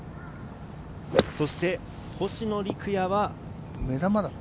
そして星野陸也は。